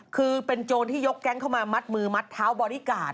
คือเป็นโจรที่ยกแก๊งเข้ามามัดมือมัดเท้าบอดี้การ์ด